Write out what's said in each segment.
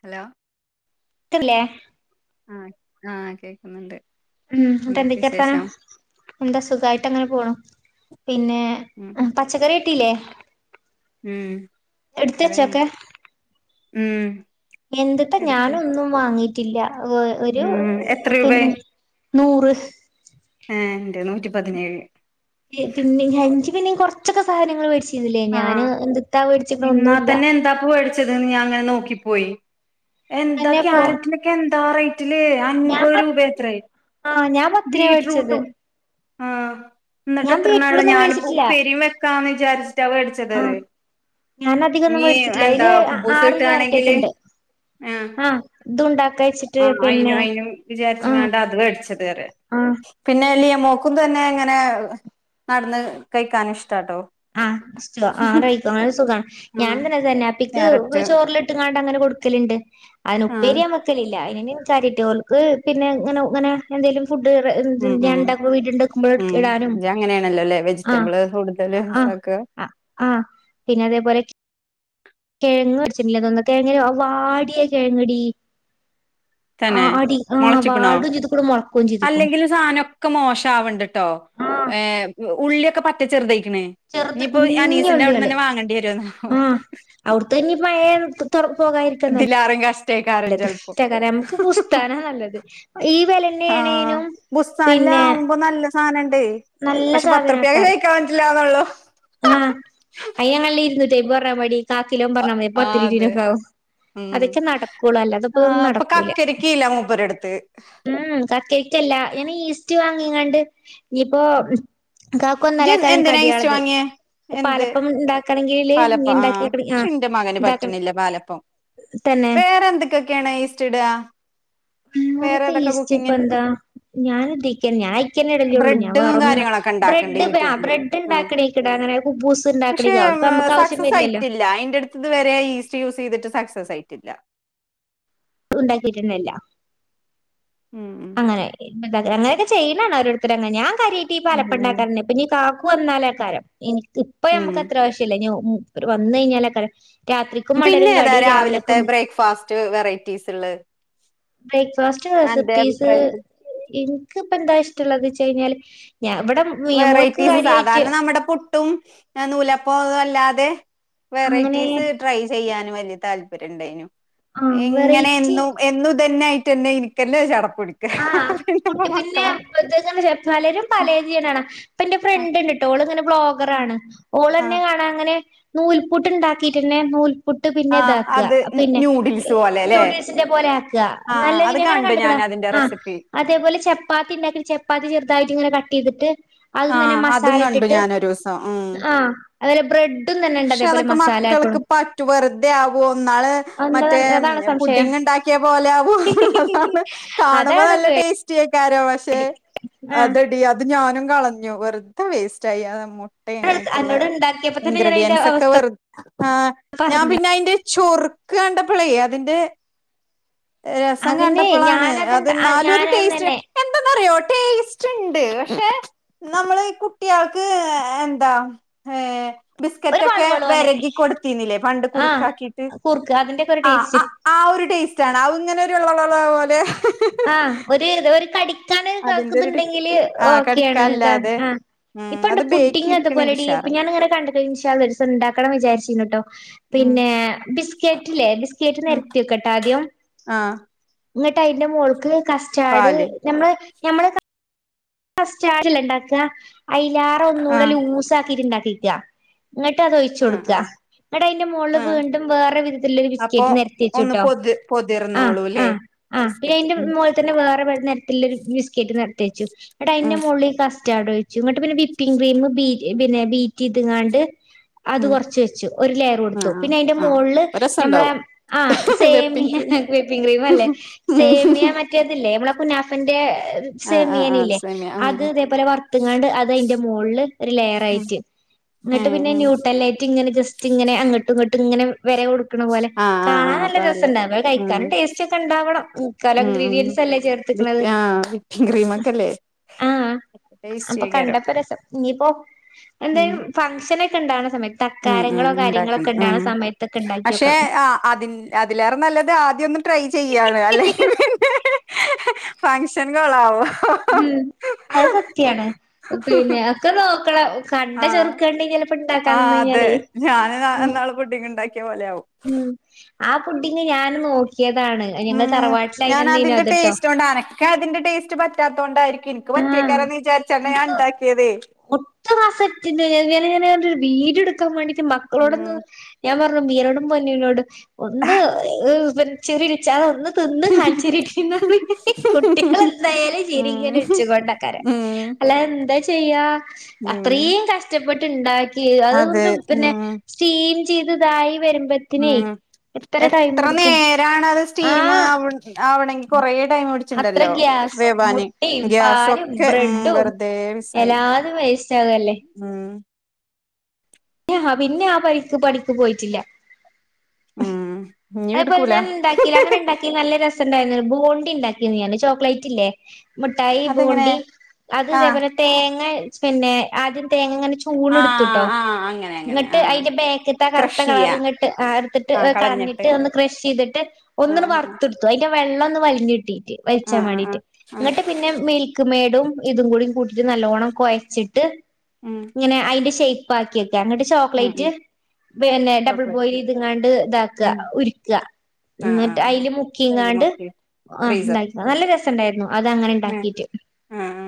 hello കേക്ക്ണ് ല്ലെ ആഹ ആഹ് കേക്ക്‌ ഉം ന്നട്ട് എന്തൊക്കെ വർത്താനം എന്താ സുഖായിട്ട് അങ്ങനെ പോണ് പിന്നെ ഉം പച്ചക്കറി കിട്ടീല്ലേ ഉം എടുത്ത് ക്കറി വെച്ചൊക്കെ ഉം എന്തുട്ടാ എടുത്ത് ഞാനൊന്നും വാങ്ങിട്ടില്ല ഒരു ഉം എത്ര രൂപേ പിന്നെ നൂറ് ഏഹ് ഇന്റെ നൂറ്റി പതിനേഴ് പിന്നെ ഇജ്ജ് പിന്നെ കുറച്ചൊക്കെ സാധനങ്ങൾ മേടിച്ചിരുന്നില്ലേ ഞാൻ എന്ത്താ മേടിച്ചിക്ക്‌ണ് ഒന്നും ഇല്ല എത്താണാ വേട് ച്ചത് ന്ന് ഞാൻ അങ്ങനെ നോക്കി പോയി എന്താ അന്നെ പോ ക്യാരറ്റിന് ഒക്കെ എന്താ റേറ്റ് ലെ ഞാൻ അപത് പ രൂപയാ ത്രേ ആഹ് ഞാൻ പത്തിനാ മേടിച്ചത് ബീറ്റ്‌റൂട്ടും ന്നട്ട് ഞാൻ എത്രണ്ണാള്ളത് ബീറ്റ്റൂട്ടൊന്നും ഞാനിപ്പോ മേടിച്ചിട്ടില്ല ഉപ്പേരിം വെക്കാന്ന് വിചാരിച്ചിട്ടാ വേടിച്ചത് അത് ആഹ് ഞാൻ അധികം ഒന്നും ഞ് മേടിച്ചിട്ടില്ല എന്താ അതില് കുബ്ബൂസ് ആറ് ക്യാരറ്റേറ്റ് കിട്ടാണെങ്കില് ഉണ്ട് ആഹ ആഹ് ഇതുണ്ടാക്ക വെച്ചിട്ട് ആ പിന്നെ അയിനും അയിനും വിചാരിച്ച്ങ്ങാണ്ട അത് മേടിച്ചത് പറയാ ആഹ പിന്നെ ലിയ മോക്കും തന്നെ ഇങ്ങനെ നടന്ന് കഴിക്കാനും ഇഷ്ടാട്ടോ ആ ആഹാ യിക്ക അങ്ങനെ സുഖണേ ആഹ് ഞാനും തന്നെ അതന്നെ പ്പിക്ക് ക്യാരറ്റ് ചോറിലിട്ട്ങ്ങാണ്ട അങ്ങനെ കൊടുക്കലുണ്ട് അയിന് ആഹ് ഉപ്പേരിയമ്മക്ക് ലില്ല അതിന കാരിട്ട് ഓല്ക്ക്‌ പിന്നെ ഇങ്ങനെ ഇങ്ങനെ എന്തെലും ഫുഡ് ഉം ഉം ണ്ടാക്ക വീട്ടണ്ടക്കുമ്പോഴ ഉം ഇടാനും ഇജ് അങ്ങനെയാണല്ലോല്ലേ ആഹ വെജിറ്റബിള് കൂടുതല് ആ ഇതാക്ക ആ ആ പിന്നെ അതേപോലെ കിഴങ് വേടിച്ചിടില്ലെന്ന് തോന്ന കിഴങ്ങടി വാടിയ കിഴങ്ങടി തന്നെ ആടി ആഹ് മുളച്ചിക്കണോ വാടും ചെയ്തുക്കുണു മുളക്കുകയും ചെയ്തുക്കുണു അല്ലെങ്കിലും സാധനൊക്കെ മോശ ആവണ്ടിട്ടോ ആഹ് ഏഹ ഉള്ളിയൊക്കെ പറ്റ ചെറുതക്കണേ ചെറുത് ഇനിയിപ്പോൊ അനീസിന്റെ അവിടെ കുഞ്ഞുള്ളികള് തന്നെ വാങ്ങേണ്ടി വരുന്നാ ആഹ് അവിടുത്തനി പയ തുറ പോകാതിരിക്കുന്നല്- എല്ലാരും കഷ്ടക്കരം നല്ലത് നമുക്ക് പുസ്ത്താനാണ് നല്ലത് ഈ വെല്ലെന്നേ ആഹ് ആണേനും ബുസ്താനിലാവുമ്പോ നല്ല സാധനണ്ട് നല്ല പക്ഷെ പത്ത്റുപ്യൊക്കെ കയിക്കാൻ പറ്റില്ലന്നള്ളൂ ആഹാ അയ്യഞങ്ങള് ഇരുന്നൂറ്റിയ്മ്പ് പറഞ്ഞാൽ മടി കാക്കിലോൻ അ പറഞ്ഞാൽ മതി ആഹ് അതെ പത്തിരിവിനൊക്കെ ആവും ഉം അതൊക്കെ നടക്കുള്ളു അല്ലാതെ ആഹ് തപ്പതൊന്നും അപ്പൊ നടക്കൂല കക്കരിക്കില്ല മൂപ്പരെടുത്ത് ഉം കട്ലിറ്റല്ല ഇനി ഈസ്റ്റ് വാങ്ങിയങ്ങണ്ട് ഇനിയിപ്പോ കാക്കു നല്ല ഇജ്ജ് കാരം എന്തിനാ ഈസ്റ്റ് കടിയുള്ത് വാങ്ങിയേ എന്ത് പാലപ്പം ഇണ്ടാക്കണങ്കില് നീ പാലപ്പം ഇണ്ടാക്കിക്കണം പക്ഷെ ആഹ് ഇന്റെ മകന് ഇണ്ടാക്കണം പറ്റണില്ല പാലപ്പം തന്നെ വേറെ എന്ത്ക്കക്കെണ ഈസ്റ്റ്ട ആറൊക്ക ഈസ്റ്റ്‌ ഇപ്പൊന്താ ഞാന ഇക്ക ഞാൻ അക്കെ ഇടല്ലേള്ളൂ ഞാൻ ബ്രെഡും പററന്നന്ന് കാര്യങ്ങളൊക്കെ ഇണ്ടാക്കണ്ട് ബ്രെഡ് യൂട്യൂബില് ബ്രഡ് ആഹ് ണ്ടാക്കണേക്കട അങ്ങനെ കുബൂസ് പക്ഷെ ഉണ്ടാക്കണോവും അപ്പ നമക്ക് ആവശ്യം വരില്ലല്ലോ ഇത് വരെ ഈസ്റ്റ് യൂസ് ചെയ്ട്ട് സക്സസ് ആയിട്ടില്ല ഉണ്ടാക്കിട്ട ന്നല്ല ഉം ഉം അ അങ്ങനെയൊക്കെ ചെയ്യണം രോരുത്തർ ഞാ കയിട്ട ഈ ഉം ഉം പലപ്പണ്ടാക്കാര അപ്പൊ നീ കാക്ക വന്നാല അക്കാരം എനിക്ക് ഇപ്പ ഉം നമക്ക് അത്ര ആവശ്യല്ല ന വന്ന കഴിഞ്ഞാല അക്കാരം രാത്രിക്കും മടരും കടി രാവിലെയക്കെ ഫാസ്റ്റ് വെറൈറ്റീസ് ഇള്ള ബ്രേക്ഫാസ്റ്റ് റെസിപ്പീസ് അഭിപ്രായത്തിൽ എനക്ക് ഇപ്പ എന്താ ഇഷ്ടുള്ളന്ന് വെച്ചഴിഞ്ഞാല് ഞാൻ ഇവിടെ മിയമോൾക്ക് വെറൈറ്റീസ് കാര്യായിട്ട് സാധാരണ നമ്മുടെ പ്പും നൂലപ്പല്ലാതെ അങ്ങനെ വെറൈറ്റീസ് ട്രൈ ചെയ്യാനും വലിയ താല്പര്യ ഉണ്ടായിനു ആ ഇങ്ങനെും വെറൈറ്റി എന്നു ഇത്‌ തന്നെയിട്ട് തന്നെ എനിക്കല്ലേ ചടക്ക കുടിക്കും ആഹ് കുട്ടിപ്പെ അ പലരും ആ പലതിനാണ് അപ്പ എന്റെ ആ ഫ്രണ്ട്ണ്ട്ട്ടൊ ഓള് ഇങ്ങനെ ആ ബ്ലോഗറാണ് ഓൾ ആ തന്നെ കാണാ അങ്ങനെ നൂൽപ്പുട്ട് ഉണ്ടാക്കിയിട്ടന്നെ നൂൽ പുട്ട് പിന്നെ ആ ഇതാക അത് പിന്നെ ന്യൂഡിൽസ് പോലെ അല്ലേ നൂഡിൽസിന്റെ പോലെ ആക്കുക ആ നല്ല ഇ അത് എങ്ങനെ കണ്ടു ഞാൻ കണ്ടക്കണ അതിന്റെ ആ റെസിപ്പി അതേപോലെ ചപ്പാത്തി ഇണ്ടാക്കി ചപ്പാത്തി ചെറുതായിട്ട് ഇങ്ങനെ കട്ടയ്തിട്ട് അത ആ തന്നെ അതും മസാല കണ്ടു ഇട്ടിട്ട് ഞാനൊരൂസം ഉം ആഹ് അതുപോലെ ബ്രെഡന്നെ ഇണ്ട് പക്ഷെ അതേപോലെ അതൊക്കെ മസാല ആക്കും മക്കൾക്ക് പറ്റു വെറുതെ ആകുമ ഒന്നാള് എന്താ മറ്റേ അതാണ് സംശയം പുഡിങ് ഉണ്ടാക്കിയ പോലെ ആകുമ എന്നുള്ളതാണ് കാണുമ്പോ അതാണ് നല്ല പേ ടേസ്റ്റ് ചിയക്കാരോ പക്ഷെ ആ അതടി അത് ഞാനും കളഞ്ഞു വെറുതെ വേസ്റ്റ്ആയി ഇട്ടുള്ള എന്നോട് ഉണ്ടാക്കിയപ്പോ തന്നെ ഞാൻ അതിന്റെ ഇൻഗ്രീഡിയൻസ് ഒക്കെ അവസ്ഥ വെറ ആഹ് ഞാൻ പറഞ്ഞു പിന്നെ അതിറെ ചൊറുക്ക് കണ്ടപ്പോളേ അതിന്റെ രസം അതിന് കണ്ടപ്പോളാണ് ഞാനത് അത് എന്നാലും ഞാൻ ഒരു ടേസ്റ്റ് തന്നെ എന്താന്നറിയോ ടേസ്റ്റ് ഉണ്ട് പക്ഷെ നമ്മള് കുട്ടിയൾക്ക് എന്താ ഏഹ് ഒരു ബിസ്ക്കറ്റ് വളു ഒക്കെ വളോനെ വേരകി കൊടുത്തന്നില്ലേ പണ്ട് ആ കുറുക്കാക്കിട്ട് കൂർക്ക് അതിന്റെ ഒക്കെ ഒരു ആ ടേസ്റ്റ് ആഹ് ആ ഒരു ടേസ്റ്റ് ആണ് അ ഇങ്ങനെ ഒരു ഉള്ളുള്ള പോലെ ആഹ് ഒരു ഇത ഒരു കടിക്കൻ അതിന്റെ ഒരു കേക്കുന്നുണ്ടെങ്കില് ആ ഓക്കെയ ആണ് ഇതാ കടിക്കല്ലാതെ ആ ഉം ഇപ്പണ്ട് അത് ബേക്ക് പുഡി അതു പോലെ ചെയ്തിക്കണെങ്കിൽ ഡീ ഉഷാറ് ഞാനിങ്ങനെ കണ്ട ഇന്ഷാ അള്ളാ ഒരീസം ഉണ്ടാക്കണം വിചാരിച്ചി കേട്ടോ ഉം പിന്നെ ബ കേഡിലെ ബിസ്ക്കറ്റ് ഉം നിരത്തിക്കട്ടെ ആദ്യം ആ ഇങ്ങോട്ട് അയ്ന്റെ മോൾക്ക് കാസ് ചാട് പാല് നമ്മള് നമ്മ കാസ് റ്റാഡ്ല്ല ഇണ്ടാക്ക അയിലാറ ഒന്ന ആ കൂടെ ലൂസ ആക്കിട്ട് ഇണ്ടാക്കിക്ക എന്നട്ട് അതൊഴിച്ചു ആ ആ കൊടുക്ക എടാ അതിന്റെ മുകളില് ആ വീണ്ടും വേറെ വിധത്തിലുള്ള ഒരു അപ്പൊ ബിസ്ക്കറ്റ് നിരത്തി ഒന്ന് വെച്ട്ടോ പൊതി ആഹ് പൊതിർന്നോളൂ ആ അല്ലേ ആഹ് പിന്നെ ബിസ്ക്കറ്റ് അയിന്റെ ഉം മോള തന്നെ വേറെ ബണ് ഒരു ബിസ്കറ്റ് നിർത്തി വച്ചു എന്നട്ട് അതിന്റെ ഉം മോള് കസ്റ്റാർഡ് ഒഴിച്ചു ഇങ്ങട്ട് പിന്നെ വിപ്പിംഗ് ക്രീം ബീ പിന്നെ ബീറ്റ് എയ്ത്ങ്ങാണ്ട് അത് ഉം കൊറച്ച് വെച്ചു ഒരു ലെയർ കൊടുത്തു ആഹ് പിന്നെ അതിന്റെ ആഹ് മോളിൽ അപ്പൊ ഞമ്മളെ രസണ്ടാവും ആ same whipping cream whipping cream അല്ലേ സേമിയ മറ്റേതില്ലേ നമ്മള കുനാഫന്റെ ആഹ് ആഹ് സേമിയേന ആഹ് ഇല്ലേ സേമിയ ഉം അത് ഉം അതേപോലെ വറത്തങ്ങാണ്ട് അത് അതിന്റെ മുകളില് ഒരു ലെയർ ആയിട്ട് എന്നിട്ട് ഏഹ് പിന്നെ ഏഹ് ന്യൂടെ എല്ലെറ്റ് ഇങ്ങെ ജസ്റ്റ് ഇങ്ങനെ അങ്ങട്ടും ഇങ്ങോട്ട് ഇങ്ങനെ വരെ കൊ ക്കണ പോലെ ആഹ് ആഹ് കാണാ ആഹ് നല്ല അപ്പൊ നല്ലെ രസുണ്ട് അവ ഉം കഴിക്കാനും ടേസ്റ്റ് ഒക്കെ ഉണ്ടാവണംക്കാലം ഇഗ്രീഡിയൻറ്സ്ല്ലേ ചേർ വിറ്റ് ആ ഗ്രീമക്കല്ലേ അ അപ്പൊ കണ്ടപ്പോ രസം ഇനിയിപ്പോ ഉം എന്തായാലും ഫംഗ്ഷനൊക്കെ ഉണ്ടാവണ സമയത്ത് ഉം ഉം തക്കാരങ്ങളോ ഉണ്ടാക്കണം കാര്യങ്ങളോക്കെ ഉണ്ട കണ സമയത്തൊക്കെ ഉണ്ടാക്കി വെക്കണം അതിൻ അതിലേറെ നല്ലത് ആദ്യം ഒന്ന് ട്രൈ ചെയ്യയാണ് അല്ലെങ്കി പിന്നെ ഫങ്ഷൻ കൊള്ളാവോ ഉം അത് സത്യാണ് പിന്നെ ഒക്കെ നോക്കണ കട്ട ആഹ് ചെറുക്കാണ്ട് ഇനി ചെലപ്പം ഇണ്ടാക്കാൻ നിന്ന് കഴിഞ്ഞാലേ ഉം ഫുഡിങ് ഉണ്ടാക്കിയ പോലെയാവും ഉം ആ പുഡിന്ന് ഞാൻ നോക്കിയതാണ് ഞങ്ങള് തറവാട്ടിലാ അതിന് അത്ട്ടോ നോണ്ടാ അനക്കെ അതിന്റെ ടേസ്റ്റ് പറ്റാത്തോണ്ടായിരിക്കും എനിക്ക് ആഹ് പറ്റിയേക്കാരന്ന് വിചാരിച്ചാണ് ഞാൻ ഉണ്ടാക്കിയതേ ഒറ്റ മാസാ ട്ടിണ്ട് ഞാങ്ങനങ്ങനെ ഒരു വീഡിയോ എടുക്കാൻ വേണ്ടിട്ട് മക്കളോടോന്ന് ഉം ഞാൻ പറഞ്ഞു മീരെടും പൊന്നുനോടും ഒന്ന് പിന്നെ ചെറിയോര്ച്ചാ ഒന്ന് തിന്ന് കാണിച്ചിരിക്കുന്നത് ഹ് കുട്ടികളല്ലേ എന്തായാലും ഉം ചിരിക്കണ് ഇച്ചുകൊണ്ടക്കാര ഉം അല്ല എന്താ ചെയ്യാ ഉം അത്രയും കഷ്ടപ്പെട്ടുണ്ടാക്കി ക്കി അത് അതെ പിന്നെ ഉം സ്റ്റീം ചെയ്ത് ഇതായി വരുമ്പ ഉം എത്ര നേരാണ് അത് സ്റ്റീംമ് ആഹ് ആവണ് ആവിണെങ്കിൽ കൊറ ടൈം പിടി അത്ര ഗ്യാസും, മുട്ടയും, പാലും, ഗ്യാസൊക്കെ ഉം ബ്രെഡും വെറുതെ മിസ്സായി എല്ലാത വേസ്റ്റ് ആവല്ലേ ഉം യഹ് പിന്നെ ആ ബൈക്ക് പണിക്ക് പോയിട്ടില്ല ഉം ഇനി അതേപോലെ എടുക്കൂല ഞാൻ ഉണ്ടാക്കില്ലേ അങ്ങനെ ഉണ്ടാക്കി നല്ല രസ് സ ഉണ്ടായിരുന്നല്ലോ ബോണ്ടി ഉണ്ടാക്കി ഞാന് ചോക്ലേറ്റ് ഇല്ലേ മുഠായി അതെങ്ങനെ ബോണ്ടി അത് ആഹ് ഇതേപോലെ തേങ്ങ പിന്നെ ആദ്യം തേങ്ങങ്ങനെ ആ ആഹ് അങ്ങ ഇന്നിട്ട് അതിന്റെ ബേക്കത്തെ അ കറത്ത കളർ ഇങ്ങോട്ട് ആ ടുത്തിട്ട് കളഞ്ഞിട്ട് ഒന്ന് ക്രഷ് ചെയ്തിട്ട് ആ ഒന്ന് ട് വറുത്തെടുത്തു അതിന്റെ വെള്ളം ഒന്ന് വലിഞ്ഞ്ട്ടീട്ട് ആ ആ വലിച്ചാൻ ആ ആ വേണ്ടയിട്ട് ഉം ഇങ്ങ്ട്ട് പിന്നെ പിന്നെ മിൽക്ക് മെയഡും ഇതും കൂടി കൂട്ടിട്ട് നല്ലവണ്ണം കുഴച്ചിട്ട് ഇങ്ങനെ അതിന്റെ ഷേപ്പ് ആക്കിക്കെ അങ്ങിട്ട് ഉം ചോക്ലേറ്റ് ഉം പിന്നെ ഡബിൾ ബോയിൽ ചോക്ലേറ്റ് ഇത്ങ്ങാണ്ട് ഇതാക്കുക ഉം ഉക്കുക ആ ആ എന്നിട്ട് ആ അതില് അയില് മുക്കിങ്ങാണ്ട് മുക്കി ആ ഉണ്ട ഫ്രീസർ നല്ല രസുണ്ടായിരുന്നു അത് അങ്ങനെ ഉം ഇണ്ടാക്കീട്ട് ആ ആ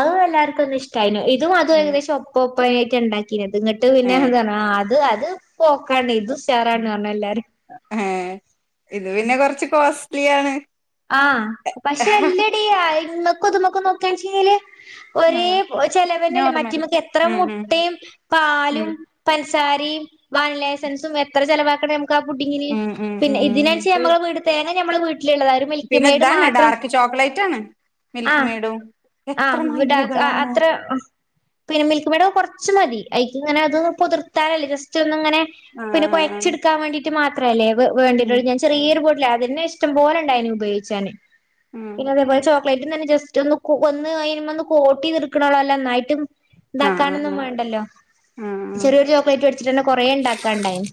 അതും എല്ലാർക്കും ഒന്നും ഇഷ്ടമായിനു ഇതും അത് ഉം ഏകദേശം ഒപ്പ ഒപ്പായിട്ട് ഉണ്ടാക്കി ഇത് ഇങ്ങട്ട് പിന്നെ ഏ എന്താ പറ അത് അത് പോക്കാണ് ഇത് ഉഷാറന്ന് പറഞ്ഞി എല്ലാരും എഹ് എ ഇത് പിന്നെ കൊറച്ച് കോസ്റ്റ്ലി ആണ് ആഹ് പക്ഷെ എല്ലടീ ഇമക്കുത്മക്കും നോക്കാണ്ച്ചെങ്കില് ആ ഒരേ ചെലവനല്ല നോർമൽ മറ്റേമുക്ക് എത്ര ഉം ഉം മുട്ടിം ഉം പാലും പഞ്ചസാരിം വാനിലാഎസൻസും എത്ര ചിലവാക്ക്ണു പ്പ പുഡിങ്ങിലി ഉം ഉം പിന്നെ ഉം ഇതിനനുച്ച് ശരി നമ്മൾ വീട് തേങ ഞമ്മളെ വീട്ടിലുള്ള താനും പിന്നെ ഇതാണ് ഡാർക്ക് ചോക്ലേറ്റ്ണ് ആഹ് ആ വിടാക്ക് അ മൈലുകളാണ് അത്ര പിന്നെ മിൽക്ക് മേട് കുറച്ച് മതി അയ്ക്ക് ഇങ്ങനെ അത് പുതിർത്താലല്ലേ ജസ്റ്റ് ഒന്നി ങ്ങനെ ആ പിന്നെ ആ ആ കൊയ്ച്ചെടുക്കാൻ വേണ്ടീട്ട് മാത്രമല്ലേ വേ ഉം വേണ്ടിട്ടോള്ളു ഞാൻ ചെറിയ ഒരു ബോട്ടില അതന്നെ ഇഷ്ടം പോലെണ്ടായിന് ഉപയോഗിച്ചന് ഉം പിന്നെ അത് [unintelligible] പ്ലേറ്റിന്ന് തന്നെ ജസ്റ്റ് ഒന്ന് ഒന്ന് അയിമ്മേന്ന് കോട്ട് ചെയ്ത് എടുക്കണേലോ അല്ല ന്നായിട്ടും ആ ആ ണ്ടാക്കാനൊന്നും ആ വേണ്ടല്ലോ ആ ചെറിയൊരു ചോക്ലേറ്റ് വേടിച്ചിട്ട് തന്നെ കൊറെ ഇണ്ടാക്കാണ്ടായും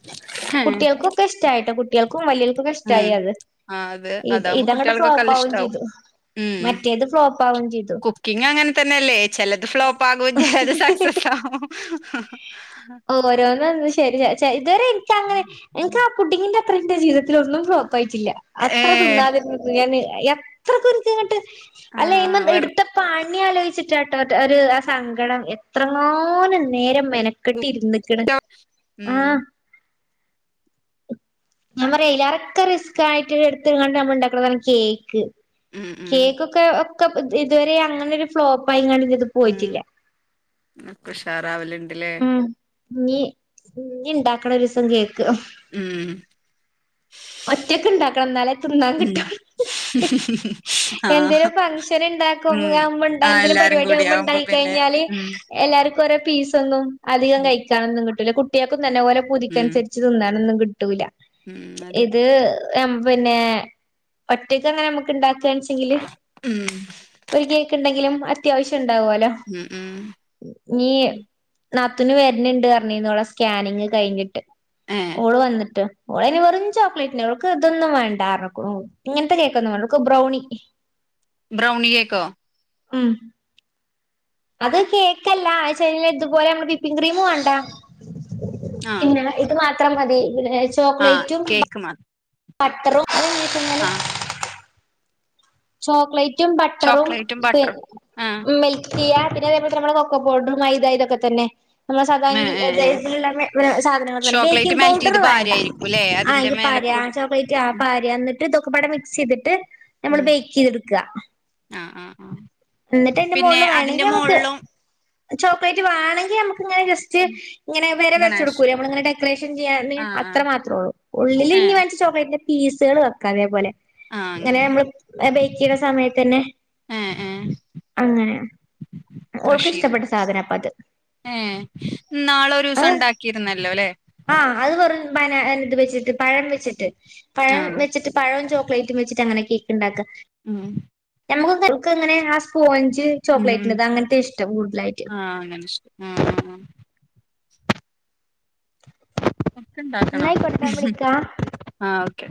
ആ കുട്ടികൾകോക്കെ ഇഷ്ടമായിട്ടോ കുട്ടികൾക്കും വലികൾക്കൊക്കെ ഉം ഇഷ്ടമായി അത് ആഹ് അത് ഇത് അതാവുമ്പോ ഇതങ്ങട്ട് കുട്ടികൾക്കൊക്കെ നല്ല ഫ്ലോപ്പാവും ഇഷ്ടമാവും ചെയ്തു ഉം മറ്റേത് ഫ്ലോപ്പാവും ചെയ്തു കുക്കിംഗ് അങ്ങനെ തന്നെയല്ലേ ചെലത് ഫ്ലോപ്പ് ആകും ചെലത് സക്സസ് ആകും ഓരോന് വന്ന് ശരിയാ ഇതുവരെ എനിക്കങ്ങനെ- എനിക്ക് ആ പുഡിങ്ങിന്റെ അത്ര എന്റെ ജീവിതത്തിൽ ഒന്നും ഫ്ലോപ്പായട്ടില്ല അത്ര ഏഹ് തിന്നാലും ഞാന് എത്ര ധൃതിയായിട്ട് അല്ലെ ആഹ് വെറു എടുത്ത- പണി ആലോചിച്ചിട്ടാട്ടോ ഒരു ആ സങ്കടം എത്ര എങ്ങാനും നേരം മെനക്കെട്ടി ഇരുന്ന്- ഉം ഞാൻ പറയാ അതിലേറെ റിസ്ക് ആയിട്ട് എടുത്ത്ങ്ങാണ്ട് നമ്മള് ഉണ്ടാക്ക്ണതാണ് കേക്ക് ഉം ഉം കേക്കും - ഒക്കെ ഒക്കെ ഇതുവരെ അങ്ങനെ ഒരു ഫ്ലോപ്പയിങ്ങ [unintelligible] ഉം ഉഷാറാവലുണ്ടില്ലേ ഉം ഇഞ്ഞി ഇഞ്ഞി ഇണ്ടാക്കണം ഒരു ദിവസം കേക്ക് ഉം ഒറ്റയക്ക് ഇണ്ടാക്കണം എന്നാലേ തിന്നാൻ ഉം കിട്ടും എന്തേലും ആഹ് ഫംഗഷൻ ഇണ്ടാക്കും ഉം ആവുമ്പണ്ട ആഹ് എന്തേലും എല്ലാരും പരിപാടി കൂടി ആവുമ്പോ ഉണ്ടായി പിന്നെ കഴിഞ്ഞാല്- ഉം എല്ലാർക്കും ഒരേ പീസ് ഒന്നും അധികം ഉം കഴിക്കാനൊന്നും കിട്ടൂല് കുട്ടിയോൾക്കും തന്നെ ഓലെ ഉം പൂതിക്കനുസരിച്ച്- തിന്നാനൊന്നും കിട്ടൂല്ല ഉം അതെ ഇത് പിന്നെ ഒറ്റക്ക് അങ്ങനെ നമുക്ക് ഇണ്ടാക്കാൻ- ങ്കില് ഉം ഒരു കേക്ക് ഇണ്ടെങ്കിലും അത്യാവശ്യം ഇണ്ടാവോലോ ഉം ഉം ഇനി നാത്തൂന് വരുണുണ്ട് അറിഞ്ഞീനു ഓളെ സ്കാനിങ് കഴിഞ്ഞിട്ട് ഏഹ് ഓള് വന്നിട്ട് ഓള് അയിന് വെറും ചോക്ലേറ്റിനെ ഓവൾക്ക് ഇതൊന്നും വേണ്ട ഇങ്ങനത്തെ കേക്കൊന്നും വേണ്ട അവൾക്ക് ബ്രൗണി ബ്രൗനി കെക്കോ ഉം അത് കേക്കല്ല ആ ഇതുപോലെ നമ്മള് വിപ്പിംഗ് ക്രീം വാണ്ട പിന്നെ ഇത് മാത്രം മതി വിച്ച- ആ കേക്കു മ - പത്രവോം [unintelligible] ആഹ് ചോക്ലേറ്റും ബട്ടറും ചോക്ലേറ്റും പിന്നെ ബട്ടറും ആഹ് മിൽക്ക് ചെയ്യാ നമ്മള് കൊക്ക പൗഡറും മൈദ ഇതൊക്കെ തന്നെ നമ്മ ഏഹ് ഏഹ് ഏഹ് സദാങ്കിസാധനങ്ങ ചോക്ലേറ്റ് ബേക്കിംഗ് മെൽറ്റ് പൗഡർ ചെയ്ത് വേണ്ട പാരായിരിക്കുംല്ലേ ആ അതിന്റെ എങ്കി മേലെ പരാജയം - കൂടെ ആഹ് ഉം പാരാ എന്നിട്ട് ഇതൊക്കപ്പാടേ മിക്സ് ചെയ്തിട്ട് നമ്മള് ഉം ബേക്ക് ചെയ്തെടുക്ക ആഹ് ആഹ് ആഹ് എന്നിട്ട് അയിന്റെ പിന്നെ മോളില് വേണെങ്കി അതിന്റെ നമ്മക്ക് മോളിലും ചോക്ലേറ്റ് വേണെങ്കി നമ്മക്ക് എന്നട്ടിങ്ങനെ ജസ്റ്റ്‌- ഇങ്ങനെ വര ഗണേഷ് വരച്ചൊടുക്കൂലേ നമ്മള് ഇങ്ങനെ ഡെക്കറേഷൻ ചെയ്യാന് ആഹ് ആഹ് അത്രമാത്രോള്ളൂ ഉള്ളിലി ഏഹ് ചോക്ലേറ്റിന്റെ പീസ്കള് വെക്കാം അതേപോലെ ആഹ് ഇങ്ങനെ അങ്ങനെ നമ്മള് ബെയ്ക്ക് ചെയുന്ന സമയത്തന്നെ- ആഹ് ആഹ് അങ്ങനെ ഓൾക്ക് ചെയ്ത് ഇഷ്ടപ്പെട്ട സാധനാ അപ്പയത് ഏഹ് ഇന്നാള് ഒരു ദെവസം ഇണ്ടാക്കിയിരുന്നല്ലോ ഇല്ലേ ആഹ് അത് വെറും ബനാ ഇത് വെച്ചിട്ട് പഴം വെച്ചിട്ട് പഴം ആഹ് വെച്ചിട്ട് പഴോം ചോക്ലേറ്റും വെച്ചിട്ട് എങ്ങനെയാ കേക്ക് ഇണ്ടാക്കാ ഉം ഞമ്മക്കൊക്കെ ഇന്ക്ക് അങ്ങനെ ആഹ് സ്പോഞ്ച് ഉം ഉം ചോക്ലേയിറ്റിന്റേത് അങ്ങനത്തെയാ ഇഷ്ട്ടം കൂടുതലായിട്ട് ആഹ് അങ്ങനെ ഇഷ്ട്ടം ആഹ് ഒക്കെ എന്നാ ണ്ടാക്കണം ആയിക്കോട്ടെ ഞാൻ വിളിക്കാം ആഹ് ഓക്കെ